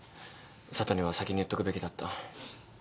佐都には先に言っとくべきだった。